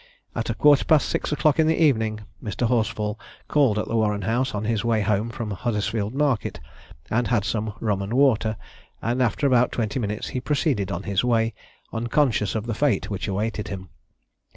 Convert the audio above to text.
At a quarter past six o'clock in the evening, Mr. Horsfall called at the Warren house, on his way home from Huddersfield market, and had some rum and water, and after about twenty minutes he proceeded on his way, unconscious of the fate which awaited him.